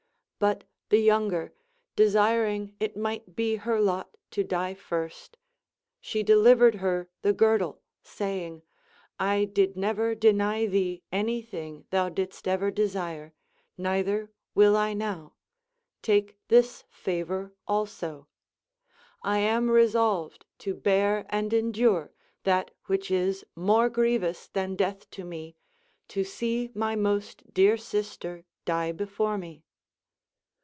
But the younii:er desirins: it mi":ht be her lot to die first, she delivered her the girdle, saying : I did never deny thee any thing thou didst ever desire, neither Avill I now ; take this favor also. I am resolved to bear and endure that which is more grievous than death to me, to see my most dear sister die before me.